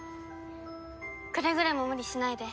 くれぐれも無理しないで。